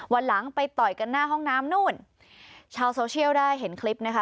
วันหลังไปต่อยกันหน้าห้องน้ำนู่นชาวโซเชียลได้เห็นคลิปนะคะ